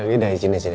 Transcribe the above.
udah udah disini sini